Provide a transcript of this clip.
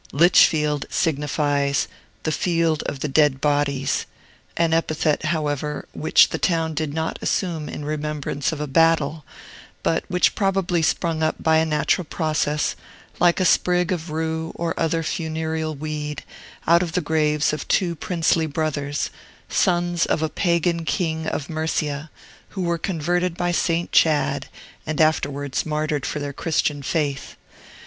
Lichfield signifies "The Field of the Dead Bodies," an epithet, however, which the town did not assume in remembrance of a battle, but which probably sprung up by a natural process, like a sprig of rue or other funereal weed, out of the graves of two princely brothers, sons of a pagan king of Mercia, who were converted by St. Chad, and afterwards martyred for their Christian faith.